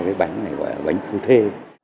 cái bánh này gọi là bánh phu thê